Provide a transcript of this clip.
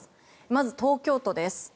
まず、東京都です。